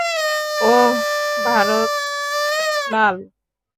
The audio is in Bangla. ওহ, ভারত লাল।